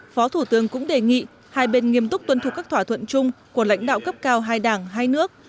phó thủ tướng cũng đề nghị hai bên nghiêm túc tuân thủ các thỏa thuận chung của lãnh đạo cấp cao hai đảng hai nước